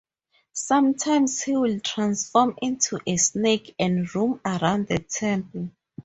Some times he will transform into snake and roam around the temple.